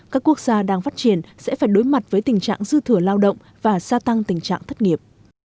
các quốc gia đang phát triển sẽ phải đối mặt với tình trạng dư thừa lao động và gia tăng tình trạng thất nghiệp